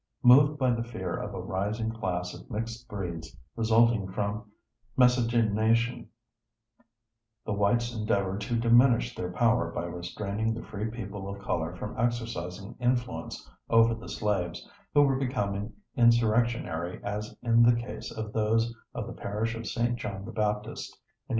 Moved by the fear of a rising class of mixed breeds resulting from miscegenation, the whites endeavored to diminish their power by restraining the free people of color from exercising influence over the slaves, who were becoming insurrectionary as in the case of those of the parish of St. John the Baptist in 1811.